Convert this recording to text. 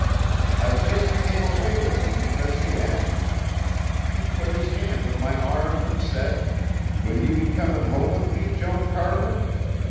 I just came away with him because he asked me. He put his hand on my arm an' said, 'Will you be comin' home with me, Joan Carver?'